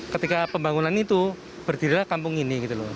ketika pembangunan itu berdirilah kampung ini